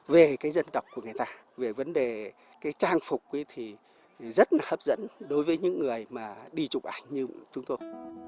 về cái dân tộc của người ta về vấn đề cái trang phục thì rất là hấp dẫn đối với những người mà đi chụp ảnh như chúng tôi